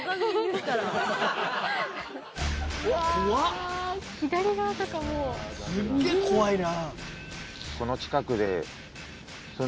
すっげえ怖いな。